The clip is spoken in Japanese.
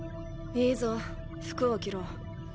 いいぞ服を着ろ。